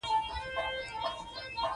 هغې د خپل ورور لپاره مینه غوښتله